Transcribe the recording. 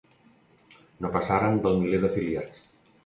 No passaren del miler d'afiliats.